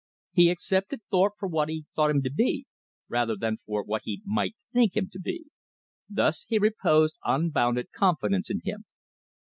He accepted Thorpe for what he thought him to be, rather than for what he might think him to be. Thus he reposed unbounded confidence in him.